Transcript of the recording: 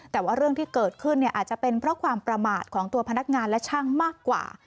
แต่ว่าเรื่องที่เกิดขึ้นอาจจะเป็นเพราะความประมาทของตัวพนักงานและช่างมากกว่า